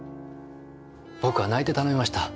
僕は泣いて頼みました。